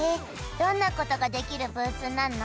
どんなことができるブースなの？